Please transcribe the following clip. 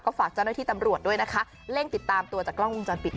ฝากเจ้าหน้าที่ตำรวจด้วยนะคะเร่งติดตามตัวจากกล้องวงจรปิด